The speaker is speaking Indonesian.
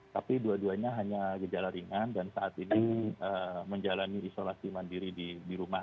tapi dua duanya hanya gejala ringan dan saat ini menjalani isolasi mandiri di rumah